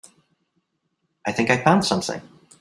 I think I found something.